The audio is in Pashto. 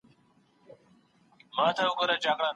که لور راضي نه وي واده به ونه سي.